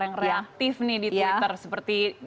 yang reaktif nih di twitter seperti